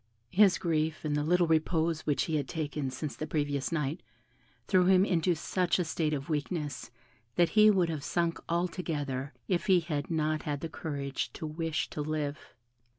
His grief, and the little repose which he had taken since the previous night, threw him into such a state of weakness, that he would have sunk altogether if he had not had the courage to wish to live.